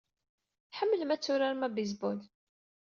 Tḥemmlem ad turarem abaseball.